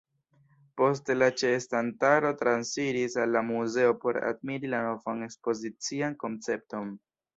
Poste la ĉeestantaro transiris al la muzeo por admiri la novan ekspozician koncepton.